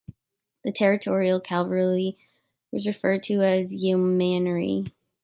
The 'Territorial' cavalry was referred to as Yeomanry.